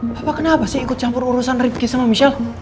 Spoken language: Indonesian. papa kenapa sih ikut campur urusan ritki sama michelle